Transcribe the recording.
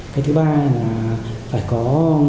cái thứ ba là phải có